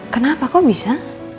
kenapa kok bisa